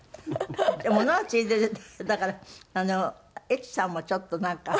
ものはついでだからＥＴＳＵさんもちょっとなんか。